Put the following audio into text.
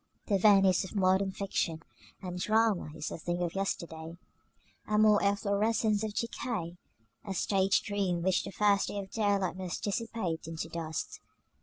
The Venice of modern fiction and drama is a thing of yesterday, a mere efflorescence of decay, a stage dream which the first ray of daylight must dissipate into dust.